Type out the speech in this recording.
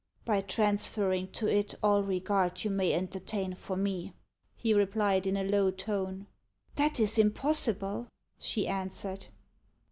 "By transferring to it all regard you may entertain for me," he replied, in a low tone. "That is impossible," she answered.